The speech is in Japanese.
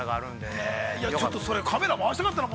◆それちょっとカメラ回したかったな。